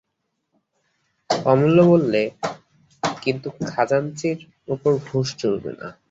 অমূল্য বললে, কিন্তু খাজাঞ্চির উপর ঘুষ চলবে না।